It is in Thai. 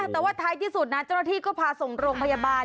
แต่ว่าท้ายที่สุดนะเจ้าหน้าที่ก็พาส่งโรงพยาบาล